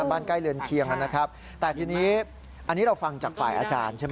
บ้านใกล้เรือนเคียงนะครับแต่ทีนี้อันนี้เราฟังจากฝ่ายอาจารย์ใช่ไหม